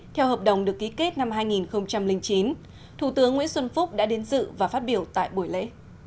theo hợp đồng được ký kết năm hai nghìn chín thủ tướng nguyễn xuân phúc đã đến dự và phát biểu tại buổi lễ